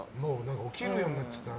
起きるようになっちゃったな。